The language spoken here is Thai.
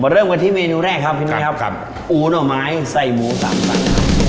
มาเริ่มกันที่เมนูแรกครับพี่ไม่ครับซึ่งอู๋หน่อไม้ใส่หมูสั่งเป็นสัน